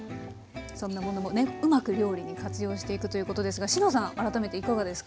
そんなものもねうまく料理に活用していくということですがＳＨＩＮＯさん改めていかがですか？